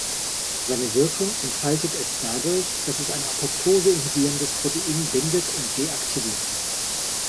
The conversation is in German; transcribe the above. Seine Wirkung entfaltet es dadurch, dass es ein apoptose-inhibierendes Protein bindet und deaktiviert.